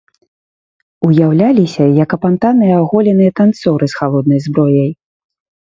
Уяўляліся як апантаныя аголеныя танцоры з халоднай зброяй.